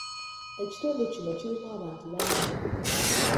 Ekitundu kino kirimu abantu bangi.